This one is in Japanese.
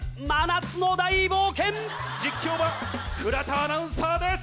実況は倉田アナウンサーです！